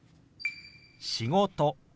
「仕事」。